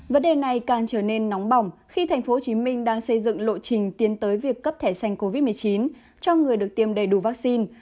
vấn đề này càng trở nên nóng bỏng khi tp hcm đang xây dựng lộ trình tiến tới việc cấp thẻ xanh covid một mươi chín cho người được tiêm đầy đủ vaccine